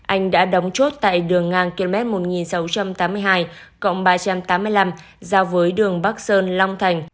anh đã đóng chốt tại đường ngang km một nghìn sáu trăm tám mươi hai ba trăm tám mươi năm giao với đường bắc sơn long thành